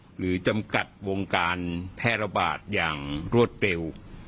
หรือจำกัดวงการแพร่ระบาดอย่างรวดเร็ว